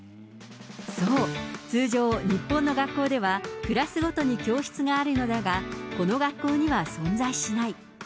そう、通常、日本の学校ではクラスごとに教室があるのだが、この学校には存在しない。